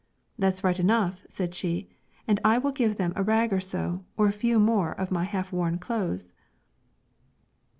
'That is right enough,' said she; 'and I will give them a rag or so, or a few more of my half worn clothes.'